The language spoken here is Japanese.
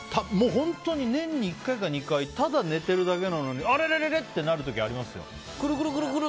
本当に、年に１回か２回ただ寝ているだけなのにあれれ？ってなる時ありますよ。